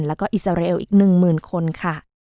แล้วก็อิสราเอลอีก๑๐๐๐คนค่ะ